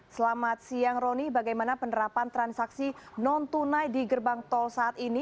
selamat siang roni bagaimana penerapan transaksi non tunai di gerbang tol saat ini